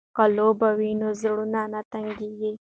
که لوبه وي نو زړه نه تنګیږي.